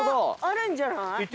あるんじゃない？